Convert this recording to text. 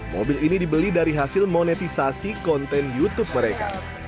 mobil ini dibeli dari hasil monetisasi konten youtube mereka